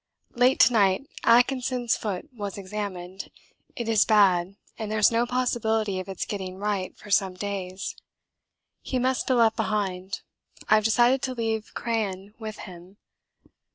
Late to night Atkinson's foot was examined: it is bad and there's no possibility of its getting right for some days. He must be left behind I've decided to leave Crean with him.